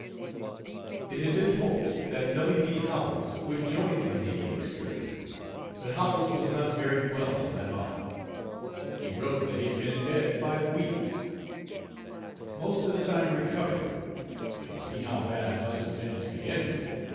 It had been hoped that W. D. Howells would join the Canadian excursion, but Howells was not very well that autumn. He wrote that he had been in bed five weeks, "most of the time recovering; so you see how bad I must have been to begin with.